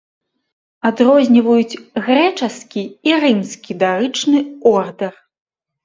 Адрозніваюць грэчаскі і рымскі дарычны ордар.